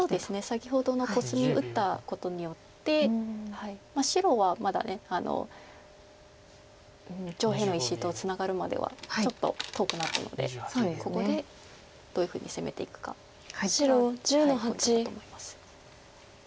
先ほどのコスミ打ったことによって白はまだ上辺の石とツナがるまではちょっと遠くなったのでここでどういうふうに攻めていくかがポイントだと思います。